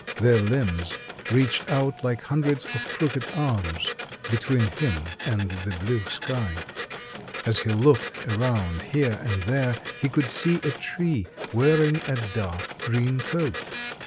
Their limbs reached out like hundreds of crooked arms between him and the blue sky. As he looked around here and there he could see a tree wearing a dark green coat.